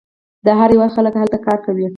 د هر هیواد خلک هلته کار کوي.